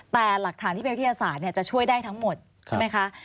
แต่หลักฐานที่เป็นวิทยาศาสตร์จะช่วยได้ทั้งหมดใช่ไหมคะ